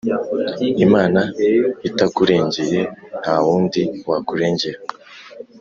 Imana itakurengeye ntawundi wakurengera